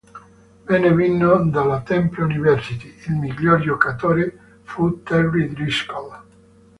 Venne vinto dalla Temple University; il miglior giocatore fu Terry Driscoll.